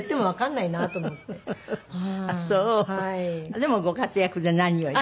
でもご活躍で何よりで。